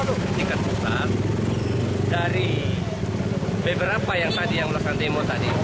untuk tingkat pusat dari beberapa yang tadi yang melakukan demo tadi